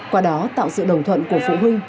qua đó tạo sự đồng thuận của phụ huynh